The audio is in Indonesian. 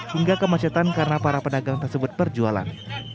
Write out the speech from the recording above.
hingga kemacetan karena para pedagang tersebut berjualan